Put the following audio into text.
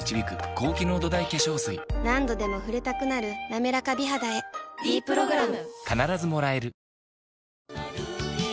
何度でも触れたくなる「なめらか美肌」へ「ｄプログラム」